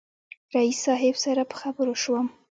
رئیس صاحب سره په خبرو شوم.